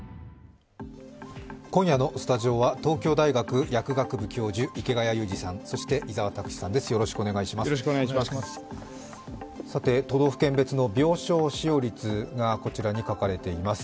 今夜のスタジオは東京大学薬学部教授、池谷裕二さん、そして伊沢拓司さんです、よろしくお願いします。